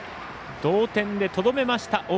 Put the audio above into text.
同点でとどめました。